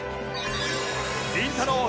りんたろー。